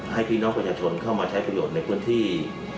พี่น้องประชาชนเข้ามาใช้ประโยชน์ในพื้นที่